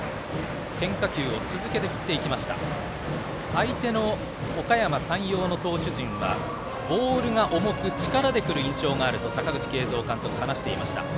相手のおかやま山陽の投手陣はボールが重く力でくる印象があると阪口慶三監督、話していました。